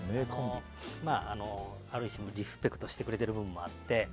ある種リスペクトしてくれてる面もあって。